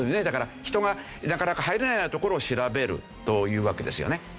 だから人がなかなか入れないような所を調べるというわけですよね。